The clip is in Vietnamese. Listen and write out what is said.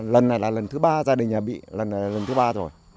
lần này là lần thứ ba gia đình nhà bị lần này là lần thứ ba rồi